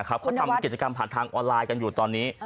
เขาทำกิจกรรมผ่านทางออนไลน์กันอยู่ตอนนี้